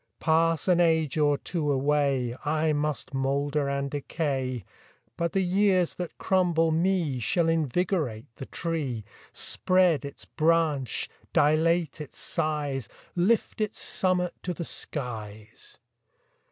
Pass an age or two away, I must moulder and decay, But the years that crumble me Shall invigorate the tree, Spread its branch, dilate its size, Lift its summit to the skies.